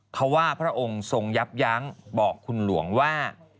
เขาว่าพระองค์ทรงยับยั้งบอกคุณหลวงว่า